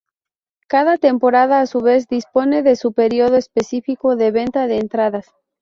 Cada temporada a su vez dispone de su período específico de venta de entradas.